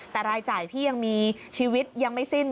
แต่รายจ่ายพี่ยังมีชีวิตยังไม่สิ้น